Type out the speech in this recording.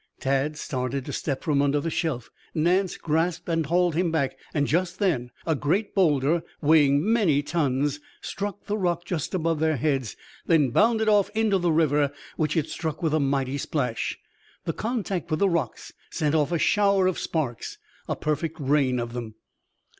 Tad started to step from under the shelf, Nance grasped and hauled him back. Just then a great boulder, weighing many tons, struck the rock just above their heads, then bounded off into the river, which it struck with a mighty splash. The contact with the rocks sent off a shower of sparks, a perfect rain of them.